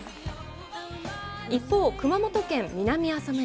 一方、熊本県南阿蘇村。